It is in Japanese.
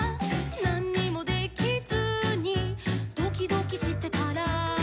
「なんにもできずにドキドキしてたら」